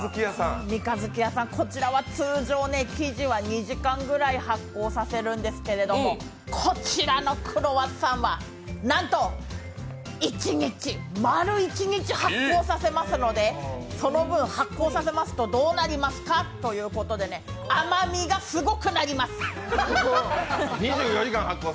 こちらは通常、生地は２時間ぐらい発酵させるんですけどこちらのクロワッサンはなんと、丸一日発酵させますので、その分発酵させますとどうなりますかということで甘味がすごくなります。